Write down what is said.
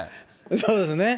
そうですね。